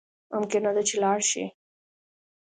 ممکنه ده چی لاړ شی